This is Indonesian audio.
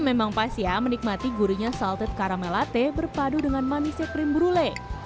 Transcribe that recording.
memang pas ya menikmati gurunya salted caramel latte berpadu dengan manisnya krim brulee